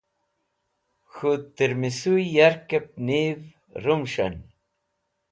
K̃hũ tẽrmisũ yakvẽb niv rũmũs̃hẽn.